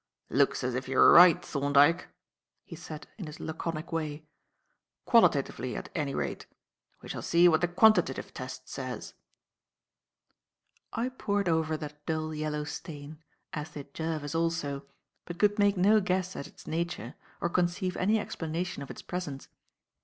"Looks as if you were right, Thorndyke," he said in his laconic way, "qualitatively, at any rate. We shall see what the quantitative test says." I pored over that dull yellow stain as did Jervis also but could make no guess at its nature or conceive any explanation of its presence.